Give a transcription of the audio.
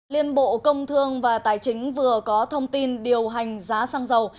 liên bộ công thương và tài chính vừa có thông tin điều hành giá xăng dầu